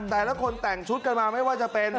แต่ละคนแต่งชุดกันมาไม่ว่าจะเป็น